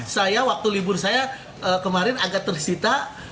saya waktu libur saya kemarin agak tersita